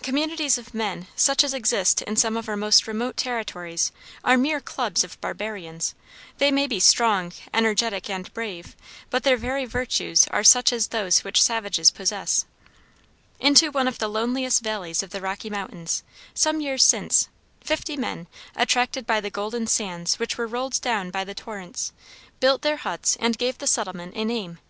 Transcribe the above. Communities of men, such as exist in some of our most remote territories, are mere clubs of barbarians. They may be strong, energetic, and brave, but their very virtues are such as those which savages possess. Into one of the loneliest valleys in the Rocky Mountains, some years since, fifty men, attracted by the golden sands which were rolled down by the torrents, built their huts and gave the settlement a name.